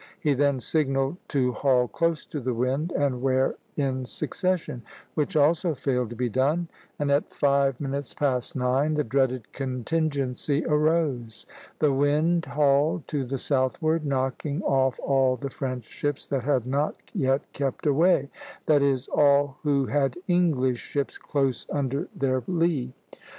He then signalled to haul close to the wind and wear in succession, which also failed to be done, and at five minutes past nine the dreaded contingency arose; the wind hauled to the southward, knocking off all the French ships that had not yet kept away; that is, all who had English ships close under their lee (Plate XXI.